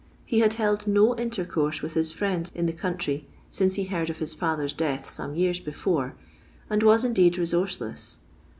He had held no intercourse with his friends in the country since he heard of his father's death some years before, and was, indeed, resource less.